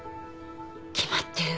決まってる。